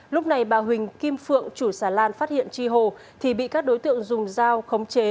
lúc này bà huỳnh kim phượng chủ xà lan phát hiện chi hồ thì bị các đối tượng dùng dao khống chế